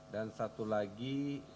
dan satu lagi